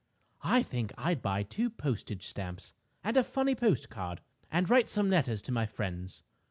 I think I'd buy two postage stamps and a funny postcard and write some letters to my friends.